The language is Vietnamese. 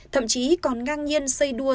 thậm chí còn ngang nhiên xây đua